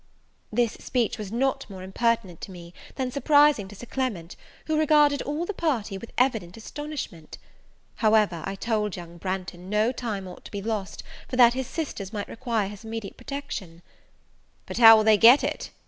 This speech was not more impertinent to me, than surprising to Sir Clement, who regarded all the party with evident astonishment. However, I told young Branghton, no time ought to be lost, for that his sisters might require his immediate protection. "But how will they get it?"